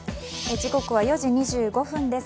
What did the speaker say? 時刻は４時２５分です。